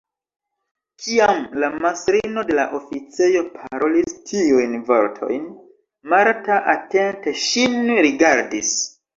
Kiam la mastrino de la oficejo parolis tiujn vortojn, Marta atente ŝin rigardis.